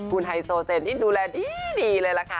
คุณไฮโซเซนที่ดูแลดีเลยล่ะค่ะ